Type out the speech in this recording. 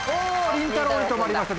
りんたろうに止まりました。